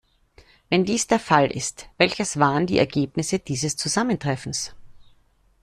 Wenn dies der Fall ist, welches waren die Ergebnisse dieses Zusammentreffens?